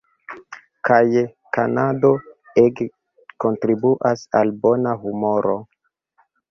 Kaj kantado ege kontribuas al bona humoro.